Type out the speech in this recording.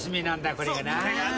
これがね。